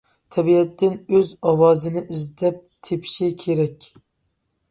تەبىئەتتىن ئۆز ئاۋازىنى ئىزدەپ تېپىشى كېرەك.